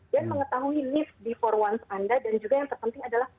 dan mengetahui needs before wants anda dan juga yang terpenting adalah